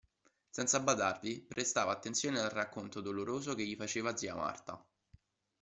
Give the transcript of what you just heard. Senza badarvi, prestava attenzione al racconto doloroso che gli faceva zia Marta.